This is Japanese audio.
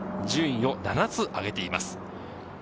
順位を７つ上げています。